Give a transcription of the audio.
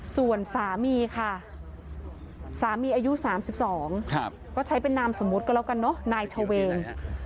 ส่วนสามีค่ะสามีอายุสามสิบสองก็ใช้เป็นนามสมมติกันแล้วกันเนอะนายเฉาเวง